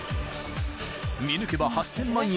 ［見抜けば８，０００万円